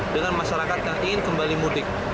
dengan masyarakat yang ingin kembali mudik